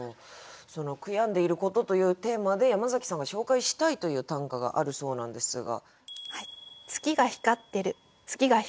その「悔やんでいること」というテーマで山崎さんが紹介したいという短歌があるそうなんですが。